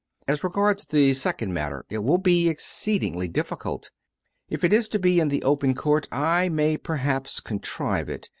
... As regards the second matter it will be exceedingly difficult. If it is to be in the open court, I may perhaps contrive it.